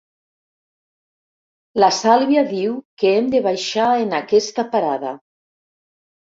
La Sàlvia diu que hem de baixar en aquesta parada.